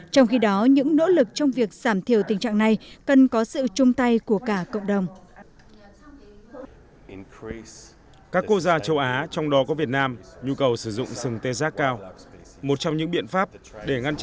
trong khi đó những nỗ lực trong việc giảm thiểu tình trạng này cần có sự chung tay của cả cộng đồng